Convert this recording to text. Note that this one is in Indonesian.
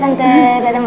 tante aku mau berbicara